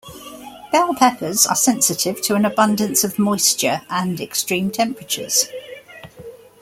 Bell peppers are sensitive to an abundance of moisture and extreme temperatures.